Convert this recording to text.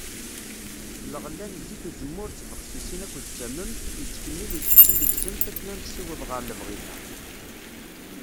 Lɣella n zzit n uzemmur d tbexsisin akked tamemt, yettkemmil usefti deg-sent akken ad nessiweḍ ɣar lebɣi-nneɣ.